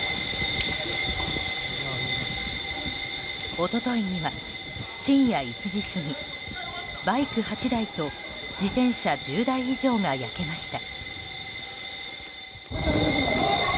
一昨日には深夜１時過ぎバイク８台と自転車１０台以上が焼けました。